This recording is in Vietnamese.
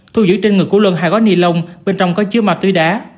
thu giữ trên người của luân hai gói ni lông bên trong có chứa ma túy đá